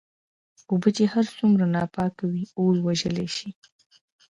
اوبه چې هرڅومره ناپاکي وي اور وژلی شې.